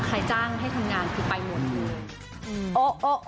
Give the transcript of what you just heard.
ใครจ้างให้ทำงานคือไปหมดเลย